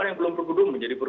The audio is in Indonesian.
oh sangat menyadari